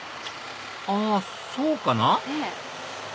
あそうかな？